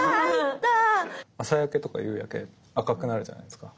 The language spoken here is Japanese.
朝焼けとか夕焼け赤くなるじゃないですか。